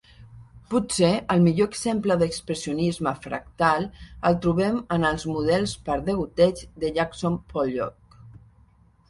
Potser el millor exemple d'expressionisme fractal el trobem en els models per degoteig de Jackson Pollock.